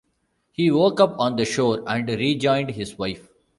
He woke up on the shore and rejoined his wife.